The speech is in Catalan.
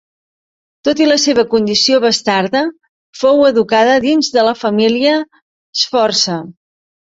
Tot i la seva condició bastarda, fou educada dins de la família Sforza.